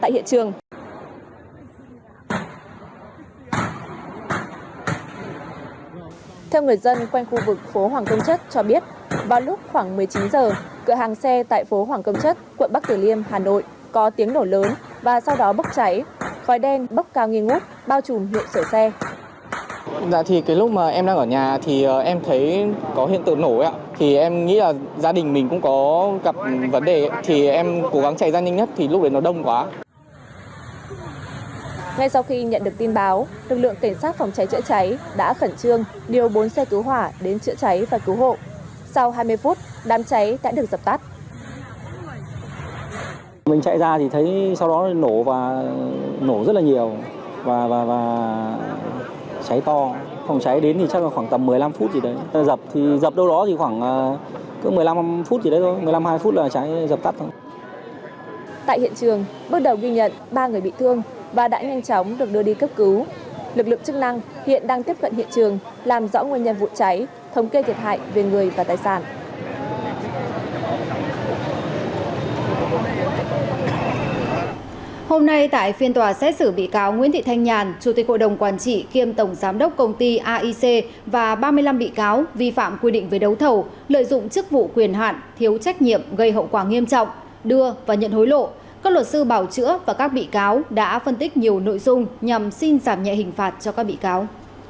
hôm nay tại phiên tòa xét xử bị cáo nguyễn thị thanh nhàn chủ tịch cộng đồng quản trị kiêm tổng giám đốc công ty aic và ba mươi năm bị cáo vi phạm quy định về đấu thầu lợi dụng chức vụ quyền hạn thiếu trách nhiệm gây hậu quả nghiêm trọng đưa và nhận hối lộ các luật sư bảo chữa và các bị cáo đã phân tích nhiều nội dung nhằm xin giảm nhẹ hình phạt cho các bị cáo